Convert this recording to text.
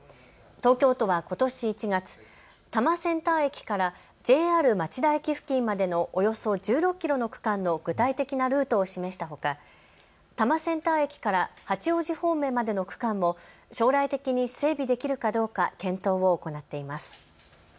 東京都はことし１月、多摩センター駅からＪＲ町田駅付近までのおよそ１６キロの区間の具体的なルートを示したほか多摩センター駅から八王子方面までの区間も将来的に整備できるかどうか検討を行っています。